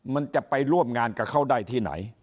มันจะไปร่วมงานกับเขาได้ที่ไหน